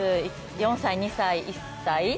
４歳、２歳、１歳。